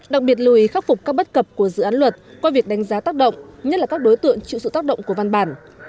đặc biệt lưu ý khắc phục các bất cập của dự án luật qua việc đánh giá tác động nhất là các đối tượng chịu sự tác động của văn bản